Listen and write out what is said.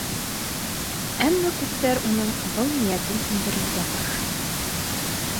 Әммә күптәр уның был ниәтен һүндерергә тырыша.